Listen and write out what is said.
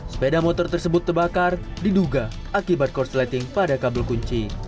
sepeda motor tersebut terbakar diduga akibat korsleting pada kabel kunci